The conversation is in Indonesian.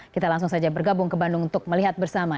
kita langsung saja bergabung ke bandung untuk melihat bersama